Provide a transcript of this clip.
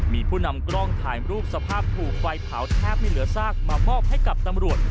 มีผู้นำกล้องถ่ายรูปสภาพถูกไฟเผาแทบไม่เหลือซากมามอบให้กับตำรวจ